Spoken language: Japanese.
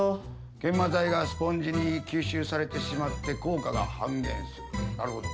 研磨剤がスポンジに吸収されてしまって効果が半減するなるほど。